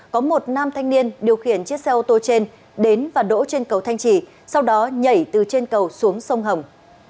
có một nam thanh niên điều khiển chiếc xe ô tô trên đến và đỗ trên cầu thanh trì sau đó nhảy từ trên cầu xuống sông hồng